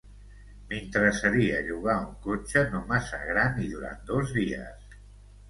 M'interessaria llogar un cotxe no massa gran i durant dos dies.